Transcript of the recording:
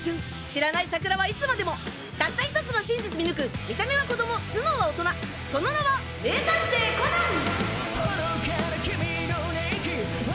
散らない桜はいつまでもたった１つの真実見抜く見た目は子供頭脳は大人その名は名探偵コナン！